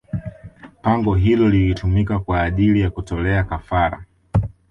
Pango hilo lilitumika kwa ajili ya kutolea kafara